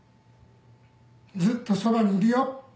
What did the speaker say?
「ずっとそばにいるよ